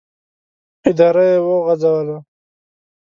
اداره یې وغځوله.